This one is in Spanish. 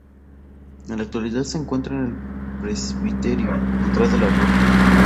En la actualidad se encuentra en el presbiterio, detrás de la reja.